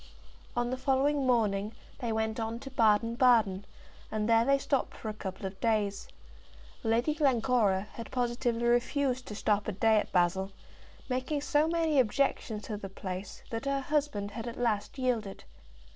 "] On the following morning they went on to Baden Baden, and there they stopped for a couple of days. Lady Glencora had positively refused to stop a day at Basle, making so many objections to the place that her husband had at last yielded.